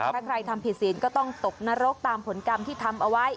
ถ้าใครทำผิดศีลก็ต้องตกนรกตามผลกรรมที่ทำเอาไว้